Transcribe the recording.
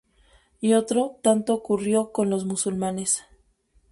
Y otro tanto ocurrió con los musulmanes.